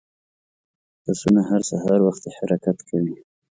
بسونه هر سهار وختي حرکت کوي.